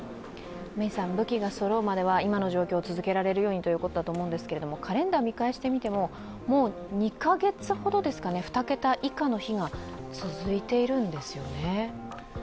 武器がそろうまでは今の対策を続けるということだと思いますがカレンダーを見返してみても、２カ月ほどですかね、２桁以下の日が続いているんですよね。